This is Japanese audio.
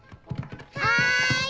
はい。